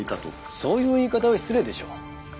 そういう言い方は失礼でしょう。